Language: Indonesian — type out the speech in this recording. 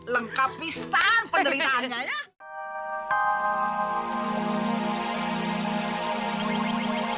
lengkapisan penderitaannya ya